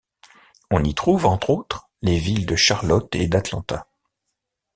On y trouve, entre autres, les villes de Charlotte et d’Atlanta.